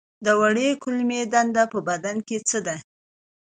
د وړې کولمې دنده په بدن کې څه ده